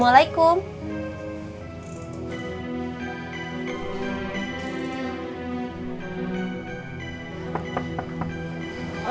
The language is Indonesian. teri hati in